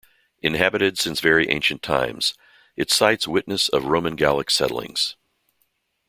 Inhabited since very ancient times, its sites witness of Roman-Gallic settlings.